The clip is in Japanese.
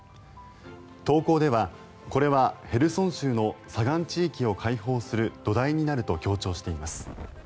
投稿ではこれはヘルソン州の左岸地域を解放する土台になると強調しています。